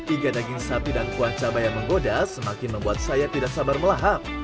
iga daging sapi dan kuah cabai yang menggoda semakin membuat saya tidak sabar melahap